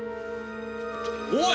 おい！